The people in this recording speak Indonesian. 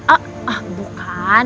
ah ah bukan